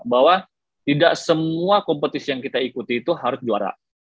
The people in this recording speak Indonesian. bahwa tidak semua kompetisi yang kita ikuti itu harus juara